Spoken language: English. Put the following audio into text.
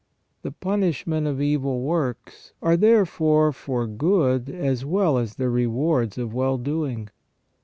The punish ment of evil works are therefore for good as well as the rewards of well doing.